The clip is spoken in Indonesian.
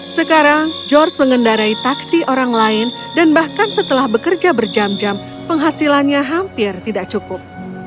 sekarang george mengendarai taksi orang lain dan bahkan setelah bekerja berjam jam penghasilannya hampir tidak cukup